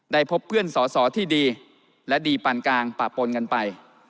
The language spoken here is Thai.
พบเพื่อนสอสอที่ดีและดีปานกลางปะปนกันไป